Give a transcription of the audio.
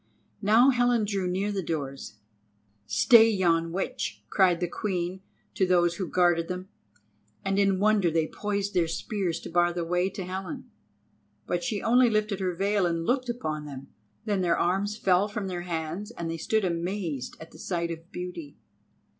Now Helen drew near the doors. "Stay yon witch," cried the Queen to those who guarded them, and in wonder they poised their spears to bar the way to Helen. But she only lifted her veil and looked upon them. Then their arms fell from their hands and they stood amazed at the sight of beauty.